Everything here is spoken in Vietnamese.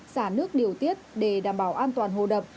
xả nước điều tiết để đảm bảo an toàn hồ đập